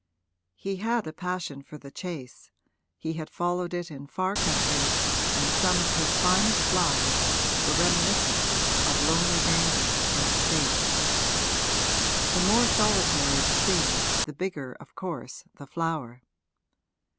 He had a passion for the chase, he had followed it in far countries and some of his finest flowers were reminiscences of lonely danger and escape. The more solitary the scene the bigger of course the flower.